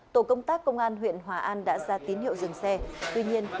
tổ công tác công an huyện hòa an đã ra tín hiệu dừng xe